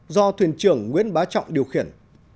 do thuyền trưởng nguyễn bá trọng điều khiển